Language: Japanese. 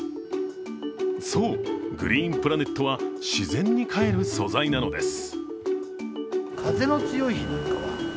そう、グリーンプラネットは自然に還る素材なのです。